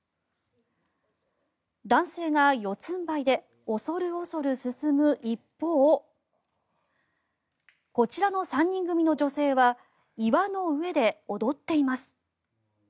男性が四つんばいで恐る恐る進む一方こちらの３人組の女性は岩の上で踊っています。